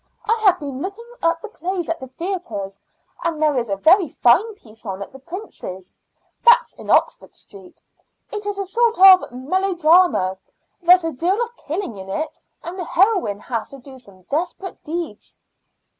I have been looking up the plays at the theaters, and there is a very fine piece on at the Princess'. That is in Oxford Street. It is a sort of melodrama; there's a deal of killing in it, and the heroine has to do some desperate deeds."